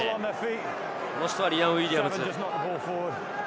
この人はリアム・ウィリアムズ。